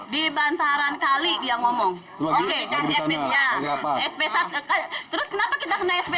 di bantaran kali yang ngomong oke sp satu terus kenapa kita kena sp satu